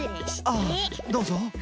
ああどうぞ。